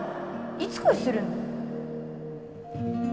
いつ恋するの？